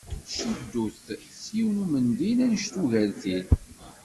Tettcuddu-t s yiwen n umendil annect n ugertil.